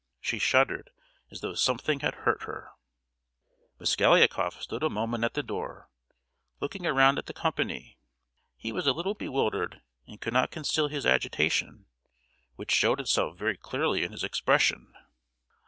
She shuddered as though something had hurt her. Mosgliakoff stood a moment at the door, looking around at the company. He was a little bewildered, and could not conceal his agitation, which showed itself very clearly in his expression.